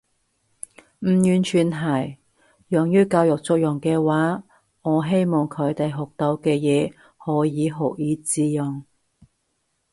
唔完全係。用於教育作用嘅話，我希望佢哋學到嘅嘢可以學以致用